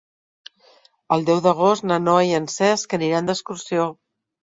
El deu d'agost na Noa i en Cesc aniran d'excursió.